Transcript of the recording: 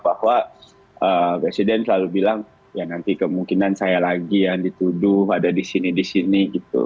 bahwa presiden selalu bilang ya nanti kemungkinan saya lagi yang dituduh ada di sini di sini gitu